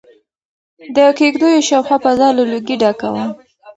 د کيږديو شاوخوا فضا له لوګي ډکه وه.